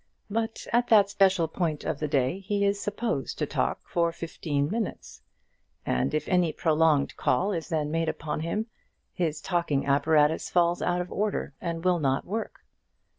But at that special point of the day he is supposed to talk for fifteen minutes, and if any prolonged call is then made upon him, his talking apparatus falls out of order and will not work.